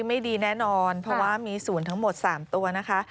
ไม่ดีแน่นอนเพราะว่ามีศูนย์ทั้งหมด๓ตัวนะคะ